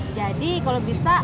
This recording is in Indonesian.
jadi kalau bisa